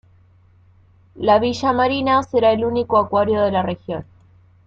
La "Villa Marina" será el único acuario de la región.